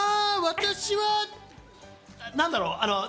私は何だろう？